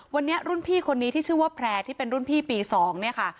วันนี้รุ่นพี่คนนี้ที่ชื่อว่าแพร่ที่เป็นรุ่นพี่ปี๒เนี่ยค่ะ